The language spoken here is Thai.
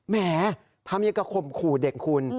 แหมทำอย่างกับข่มขู่เด็กคุณ